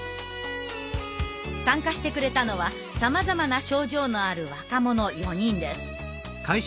参加してくれたのはさまざまな症状のある若者４人です。